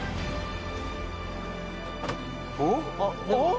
おっ？